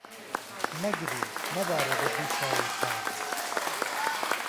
مهگری مهبارێ به دوو چاوی کاڵ